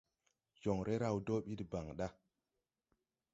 Joŋre raw dɔɔ bi debaŋ da.